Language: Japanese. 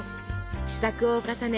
試作を重ね